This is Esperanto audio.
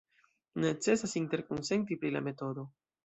Necesas interkonsenti pri la metodo.